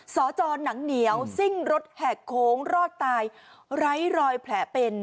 สจหนังเหนียวซิ่งรถแหกโค้งรอดตายไร้รอยแผลเป็น